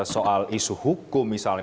soal isu hukum misalnya